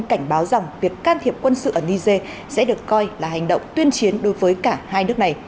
cảnh báo rằng việc can thiệp quân sự ở niger sẽ được coi là hành động tuyên chiến đối với cả hai nước này